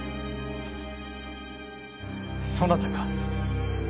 そなたか。